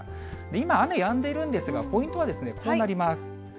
今、雨やんでいるんですが、ポイントはこうなります。